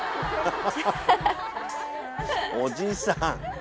おじさん。